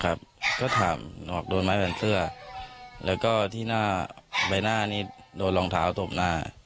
ครับก็ถามออกโดนไม้เป็นเสื้อแล้วก็ที่หน้าใบหน้านี้โดนรองเท้าตบหน้า